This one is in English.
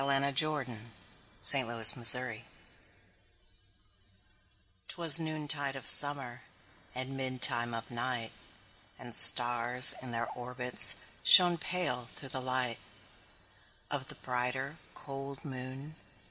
1827 Evening Star 'Twas noontide of summer, And midtime of night, And stars, in their orbits, Shone pale, through the light Of the brighter, cold moon.